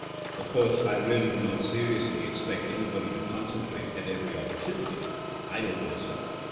... Of course I really do not seriously expect any body to concentrate at every opportunity. I don't myself.